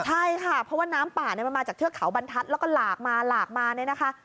ใช่ค่ะเพราะว่าน้ำป่าเนี่ยมันมาจากเทือกเขาบรรทัศน์แล้วก็หลากมาหลากมาเนี่ยนะคะ